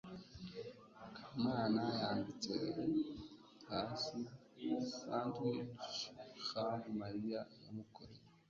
kamana yambitse hasi sandwich ham mariya yamukoreye